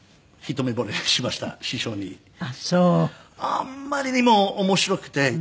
あんまりにも面白くて。